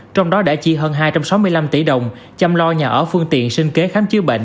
trong đó đã chi hơn hai trăm sáu mươi năm tỷ đồng chăm lo nhà ở phương tiện sinh kế khám chữa bệnh